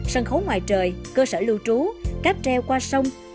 sân khấu ngoài trời cơ sở lưu trú cáp treo qua sông